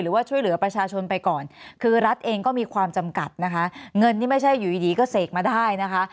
ช่วยเหลือประชาชนไปก่อนคือรัฐเองก็มีความจำกัดนะคะเงินที่ไม่ใช่อยู่ดีก็เสกมาได้นะคะ